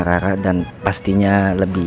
rara dan pastinya lebih